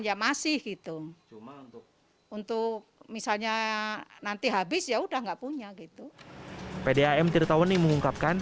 ya masih gitu untuk misalnya nanti habis ya udah nggak punya gitu pdm tirtaweni mengungkapkan